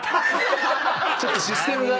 ちょっとシステムが。